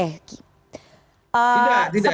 tidak tidak tidak